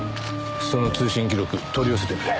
その通信記録取り寄せてくれ。